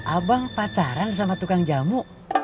abang pacaran sama tukang jamu